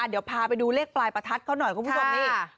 เดี๋ยวพาไปดูเลขปลายประทัดเขาหน่อยคุณผู้ชมนี่